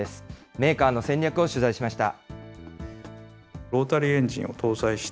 メーカーの戦略を取材しました。